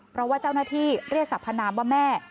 เพราะว่าเจ้าหน้าที่เรียกสรรพนามว่าแม่